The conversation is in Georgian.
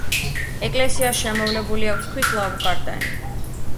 ეკლესიას შემოვლებული აქვს ქვის ლავგარდანი.